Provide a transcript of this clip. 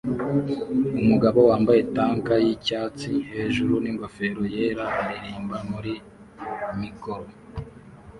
Umugabo wambaye tank yicyatsi hejuru n'ingofero yera aririmba muri mikoro